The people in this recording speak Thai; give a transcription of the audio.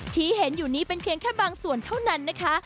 ที่เห็นอยู่นี้เป็นเพียงแค่บางส่วนเท่านั้นนะคะ